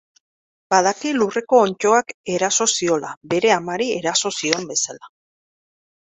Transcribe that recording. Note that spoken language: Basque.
Badaki lurreko onddoak eraso ziola, bere amari eraso zion bezala.